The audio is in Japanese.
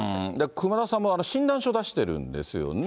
熊田さんも診断書出してるんですよね。